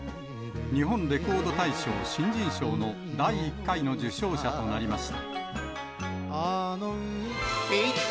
日本レコード大賞新人賞の第１回の受賞者となりました。